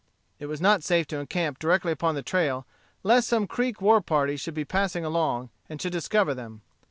It was not safe to encamp directly upon the trail, lest some Creek war party should be passing along, and should discover them.